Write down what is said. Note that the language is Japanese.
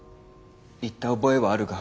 言った覚えはあるが。